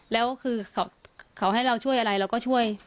แล้วคือเขาให้เราช่วยอะไรเราก็ช่วย